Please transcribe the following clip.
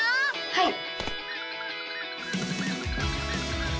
はい！